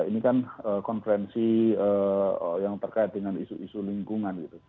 ini kan konferensi yang terkait dengan isu isu lingkungan gitu